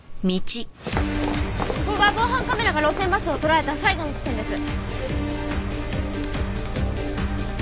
ここが防犯カメラが路線バスを捉えた最後の地点です。